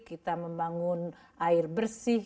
kita membangun air bersih